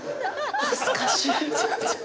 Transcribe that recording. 恥ずかしい。